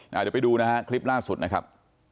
เดี๋ยวไปดูนะฮะคลิปล่าสุดนะครับ